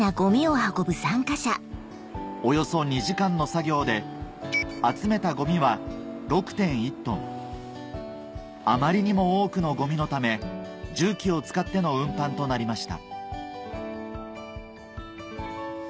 およそ２時間の作業で集めたゴミは６．１ｔあまりにも多くのゴミのため重機を使っての運搬となりました